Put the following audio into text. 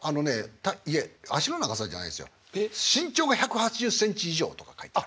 身長が１８０センチ以上とか書いてあった。